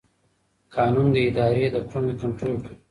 قانون د ادارې د کړنو کنټرول کوي.